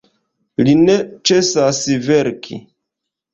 Li ne ĉesas verki.